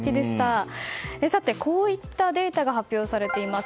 さて、こういったデータが発表されています。